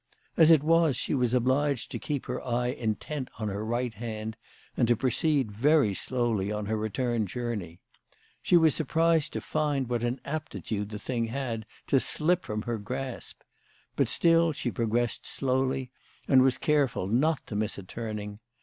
As it was she was obliged to keep her eye intent on her right hand, and to proceed very slowly on her return journey. She was surprised to find what an aptitude the thing had to slip from her grasp. But still she progressed slowly, and was careful not to miss a turn ing